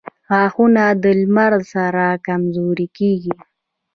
• غاښونه د عمر سره کمزوري کیږي.